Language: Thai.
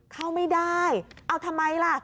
เข้าไม่ได้เอาทำไมล่ะ